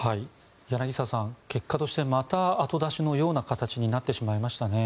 柳澤さん、結果としてまた後出しのような形になってしまいましたね。